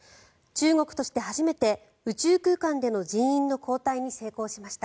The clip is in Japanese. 中国として初めて宇宙空間での人員の交代に成功しました。